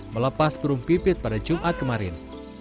melepas burung pipit pada jumat kemarin